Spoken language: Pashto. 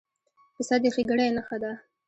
پسه د ښېګڼې نښه ده.